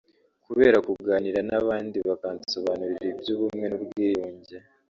kubera kuganira n’abandi bakansobanurira iby’ubumwe n’ubwiyunge”